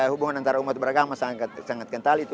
hubungan antara umat beragama sangat kental itu